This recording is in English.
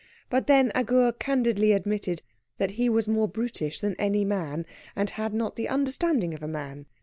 But then Agur candidly admitted that he was more brutish than any man, and had not the understanding of a man.